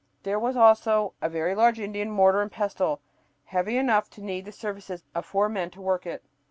There was also a very large Indian mortar and pestle, heavy enough to need the services of four men to work it.